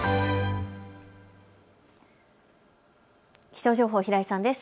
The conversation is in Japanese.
気象情報、平井さんです。